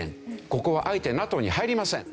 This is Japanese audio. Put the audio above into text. ここはあえてＮＡＴＯに入りません。